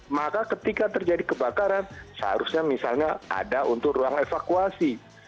maka ketika terjadi kebakaran seharusnya misalnya ada untuk ruang evakuasi